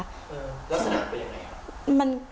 ลักษณะเป็นอย่างไร